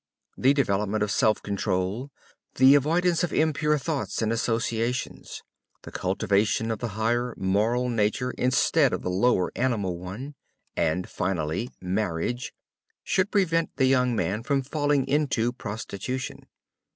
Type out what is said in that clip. The development of self control, the avoidance of impure thoughts and associations, the cultivation of the higher moral nature instead of the lower animal one, and, finally, marriage, should prevent the young man from falling into prostitution.